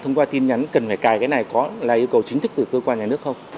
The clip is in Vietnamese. thông qua tin nhắn cần phải cài cái này có là yêu cầu chính thức từ cơ quan nhà nước không